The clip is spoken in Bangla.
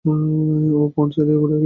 ও পর্ণ সাইটে ঘুরে কী?